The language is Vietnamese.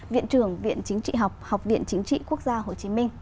viện trưởng viện chính trị học học viện chính trị quốc gia hồ chí minh